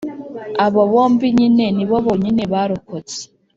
Abo bombi nyine ni bo bonyine barokotse